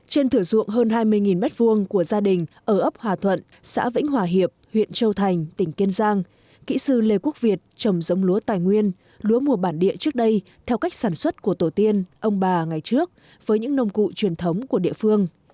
trên thửa ruộng hơn hai mươi m hai của gia đình ở ấp hòa thuận xã vĩnh hòa hiệp huyện châu thành tỉnh kiên giang kỹ sư lê quốc việt trồng giống lúa tài nguyên lúa mùa bản địa trước đây theo cách sản xuất của tổ tiên ông bà ngày trước với những nông cụ truyền thống của địa phương